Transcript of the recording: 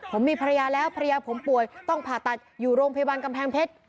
ผมมีภรรยาแล้วภรรยาผมป่วยต้องผ่าตัดอยู่โรงพยาบาลกำแพงเพชร